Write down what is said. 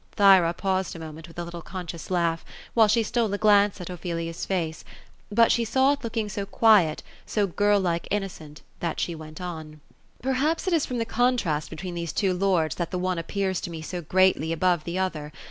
Thyra paused a moment, with a little conscious laugh ; while she stole a glance at Ophelia's faoe ; but she saw it looking so quiet, so girl like innocent, that she went on :—*^ Perhaps it is from the contrast between these two lords, that the one appears to me so greatly above the other.